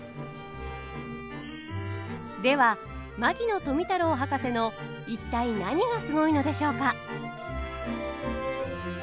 では牧野富太郎博士の一体何がすごいのでしょうか？